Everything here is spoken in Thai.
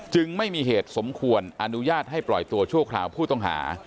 ไม่มีเหตุสมควรอนุญาตให้ปล่อยตัวชั่วคราวผู้ต้องหา